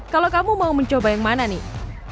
kalau kamu mau mencoba yang mana nih